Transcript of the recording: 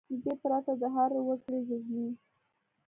له دې پرته د هر وګړي زهني .